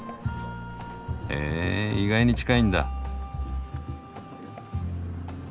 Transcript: へぇ意外に近いんだ。